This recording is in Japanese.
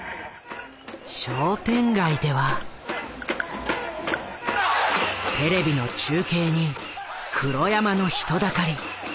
商店街ではテレビの中継に黒山の人だかり。